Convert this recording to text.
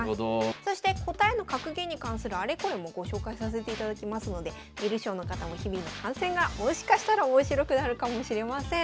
そして答えの格言に関するあれこれもご紹介させていただきますので観る将の方も日々の観戦がもしかしたら面白くなるかもしれません。